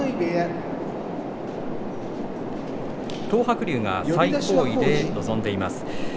東白龍、最高位で臨んでいます。